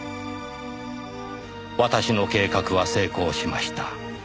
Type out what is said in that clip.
「私の計画は成功しました」